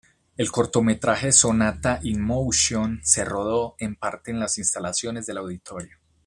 El cortometraje Sonata in Motion se rodó en parte en las instalaciones del Auditorio.